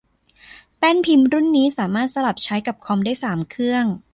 แป้นพิมพ์รุ่นนี้ สามารถสลับใช้กับคอมได้สามเครื่อง